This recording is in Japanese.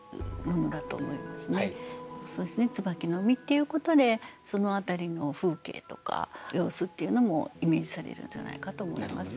「椿の実」っていうことでその辺りの風景とか様子っていうのもイメージされるんじゃないかと思います。